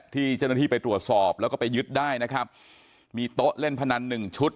ที่เจ้าหน้าที่ไปตรวจสอบแล้วก็ไปยึดได้นะครับมีโต๊ะเล่นพนันหนึ่งชุด